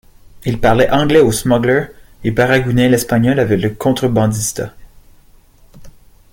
Il parlait anglais au smogler et baragouinait l’espagnol avec le contrebandista.